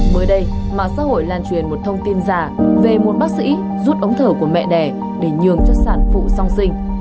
mới đây mạng xã hội lan truyền một thông tin giả về một bác sĩ rút ống thở của mẹ đẻ để nhường cho sản phụ song sinh